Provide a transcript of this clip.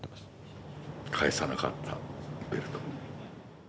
返さなかったベルト。